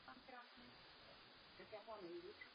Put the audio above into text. Vykonával funkci poradce Morgan Stanley International.